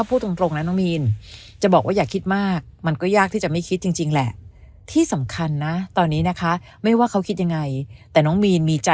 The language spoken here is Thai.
อืมถ้าพูดตรงนะน้องมีน